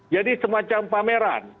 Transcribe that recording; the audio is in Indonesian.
jadi semacam pameran